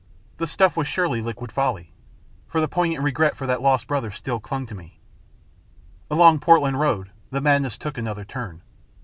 The stuff was surely liquid folly, for the poignant regret for that lost brother still clung to me. Along Portland Road the madness took another turn.